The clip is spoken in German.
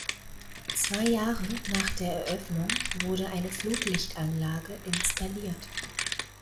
Zwei Jahre nach der Eröffnung wurde eine Flutlichtanlage installiert.